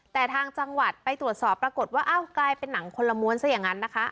แต่ทางจังหวัดไปตรวจสอบปรากฏว่าอ้าวกลายเป็นหนังคนละม้วนซะอย่างนั้นนะคะ